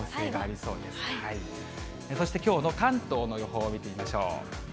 そしてきょうの関東の予報を見てみましょう。